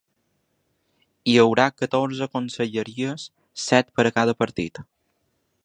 Hi haurà catorze conselleries, set per a cada partit.